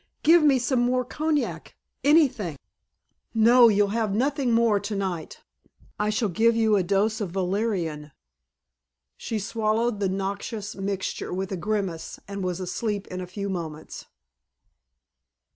"Give me some more cognac anything." "You'll have nothing more tonight. I shall give you a dose of valerian." She swallowed the noxious mixture with a grimace and was asleep in a few moments.